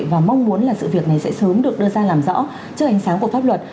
và mong muốn là sự việc này sẽ sớm được đưa ra làm rõ trước ánh sáng của pháp luật